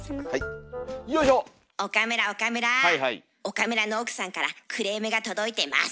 岡村の奥さんからクレームが届いてます。